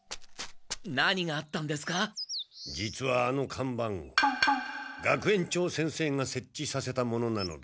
実はあの看板学園長先生が設置させたものなのだ。